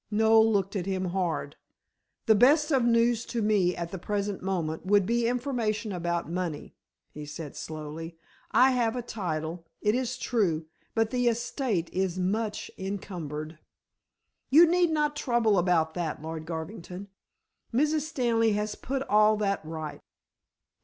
Noel looked at him hard. "The best of news to me at the present moment would be information about money," he said slowly. "I have a title, it is true, but the estate is much encumbered." "You need not trouble about that, Lord Garvington; Mrs. Stanley has put all that right."